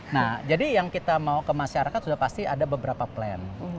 nah jadi yang kita mau ke masyarakat sudah pasti ada beberapa plan